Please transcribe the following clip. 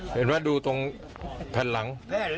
เห็นไหมดูตรงแผ่นหลัง